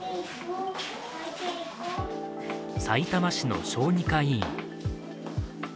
さいたま市の小児科医院。